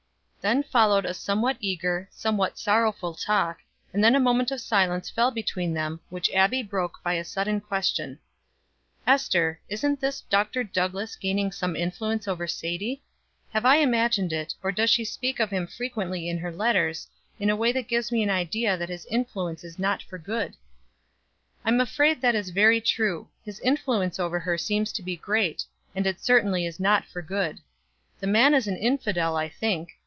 Then followed a somewhat eager, somewhat sorrowful talk, and then a moment of silence fell between them, which Abbie broke by a sudden question: "Ester, isn't this Dr. Douglass gaining some influence over Sadie? Have I imagined it, or does she speak of him frequently in her letters, in a way that gives me an idea that his influence is not for good?" "I'm afraid it is very true; his influence over her seems to be great, and it certainly is not for good. The man is an infidel, I think.